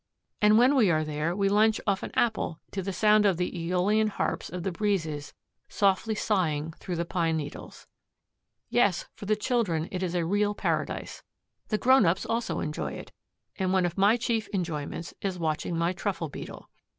And when we are there we lunch off an apple to the sound of the Æolian harps of the breezes softly sighing through the pine needles! Yes, for the children it is a real paradise. The grown ups also enjoy it, and one of my chief enjoyments is watching my Truffle beetle.